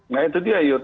nah itu dia yud